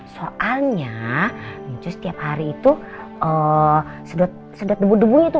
soalnya ncus tiap hari itu sedot debu debunya tuh